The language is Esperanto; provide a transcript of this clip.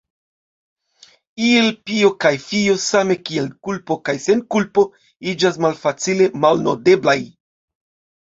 Iel pio kaj fio, same kiel kulpo kaj senkulpo, iĝas malfacile malnodeblaj.